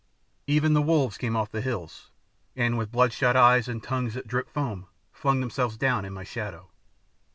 Even the wolves came off the hills, and, with bloodshot eyes and tongues that dripped foam, flung themselves down in my shadow.